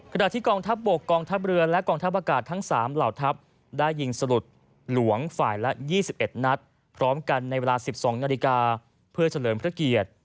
ขณะที่กองทัพบกกองทัพเรือและกองทัพอากาศทั้ง๓เหล่าทัพได้ยิงสลุดหลวงฝ่ายละ๒๑นัดพร้อมกันในเวลา๑๒นาฬิกาเพื่อเฉลิมพระเกียรติ